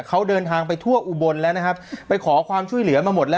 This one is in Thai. เขาเดินทางไปทั่วอุบลแล้วนะครับไปขอความช่วยเหลือมาหมดแล้ว